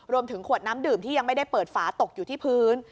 รวมถึงขวดน้ำดื่มที่ยังไม่ได้เปิดฝาตกอยู่ที่พื้น